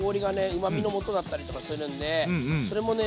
うまみのもとだったりとかするんでそれもね